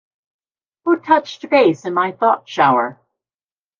Who Touched Base In My Thought Shower?